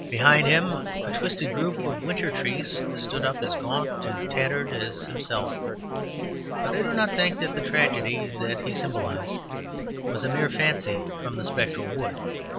Behind him a twisted group of winter trees stood up as gaunt and tattered as himself, but I do not think that the tragedy that he symbolized was a mere fancy from the spectral wood.